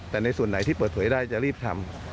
แต่ในส่วนไหนที่เปิดเผยได้จะรีบทำ